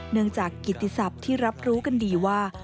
เนื่องจากกิติศัพท์ที่รับรู้กันดีว่า